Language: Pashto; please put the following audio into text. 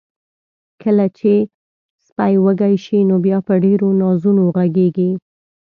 کله چې سپی وږي شي، نو بیا په ډیرو نازونو غږیږي.